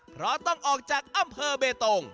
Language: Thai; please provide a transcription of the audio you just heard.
เพราะต้องออกจากอำเภอเบตง